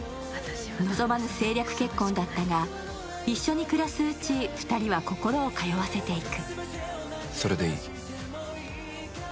望まぬ政略結婚だったが、一緒に暮らすうち、２人は心を通わせていく。